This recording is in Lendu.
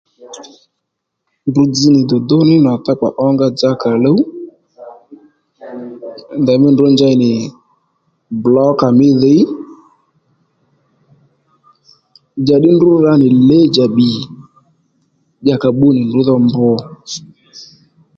Ndrǔ dzź nì dùdú nò tuw kpa ónga dza kàluw ndèymí ndrǔ njey nì blókà mí dhǐy njàddí ndrǔ ra nì lědja bbì ddíyà ka bbú nì ndrǔ dho mb